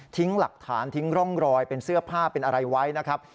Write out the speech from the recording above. หลักฐานทิ้งร่องรอยเป็นเสื้อผ้าเป็นอะไรไว้นะครับ